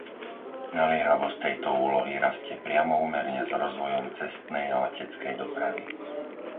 Naliehavosť tejto úlohy rastie priamo úmerne s rozvojom cestnej a leteckej dopravy.